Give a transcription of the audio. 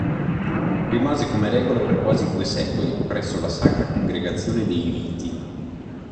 Rimase come regola per quasi due secoli presso la Sacra Congregazione dei Riti.